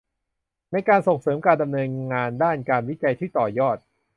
ในการส่งเสริมการดำเนินงานด้านการวิจัยที่ต่อยอด